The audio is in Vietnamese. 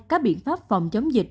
các biện pháp phòng chống dịch